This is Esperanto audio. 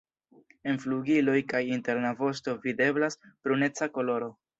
En flugiloj kaj interna vosto videblas bruneca koloro.